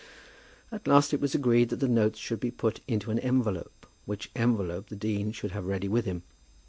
At last it was agreed that the notes should be put into an envelope, which envelope the dean should have ready with him.